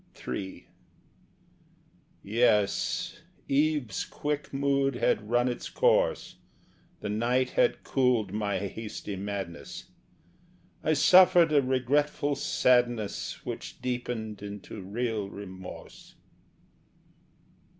III Yes, eve's quick mood had run its course, The night had cooled my hasty madness; I suffered a regretful sadness Which deepened into real remorse.